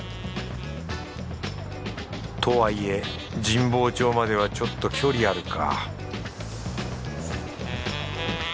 とはいえ神保町まではちょっと距離あるか